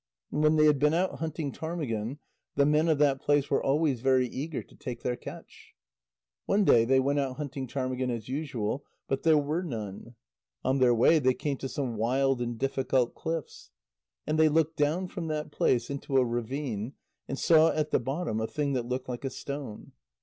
And when they had been out hunting ptarmigan, the men of that place were always very eager to take their catch. One day they went out hunting ptarmigan as usual, but there were none. On their way, they came to some wild and difficult cliffs. And they looked down from that place into a ravine, and saw at the bottom a thing that looked like a stone.